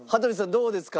どうですか？